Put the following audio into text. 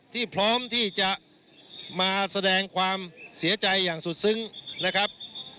ที่พร้อมที่จะมาแสดงความเสียใจอย่างสุดซึ้งนะครับ